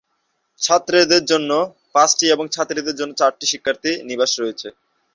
ছাত্রদের জন্য পাঁচটি এবং ছাত্রীদের জন্য চারটি শিক্ষার্থী নিবাস রয়েছে।